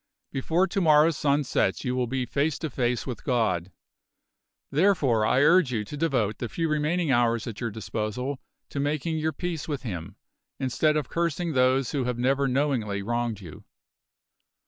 Before to morrow's sun sets you will be face to face with God! Therefore I urge you to devote the few remaining hours at your disposal to making your peace with Him, instead of cursing those who have never knowingly wronged you."